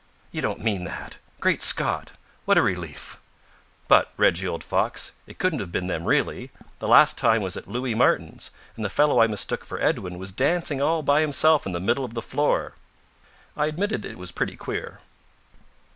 "You don't mean that? Great Scot, what a relief! But, Reggie, old fox, it couldn't have been them really. The last time was at Louis Martin's, and the fellow I mistook for Edwin was dancing all by himself in the middle of the floor." I admitted it was pretty queer.